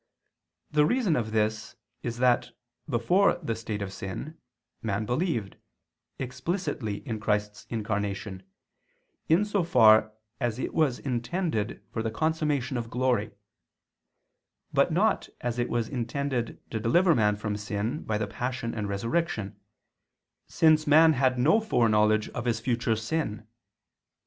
The reason of this is that before the state of sin, man believed, explicitly in Christ's Incarnation, in so far as it was intended for the consummation of glory, but not as it was intended to deliver man from sin by the Passion and Resurrection, since man had no foreknowledge of his future sin.